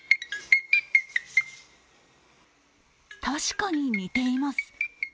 確かに、似ています。